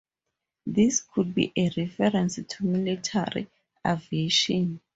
This could be a reference to military aviation.